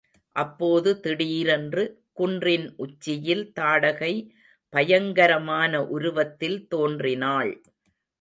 அப்போது திடீரென்று குன்றின் உச்சியில் தாடகை பயங்கரமான உருவத்தில் தோன்றினாள்.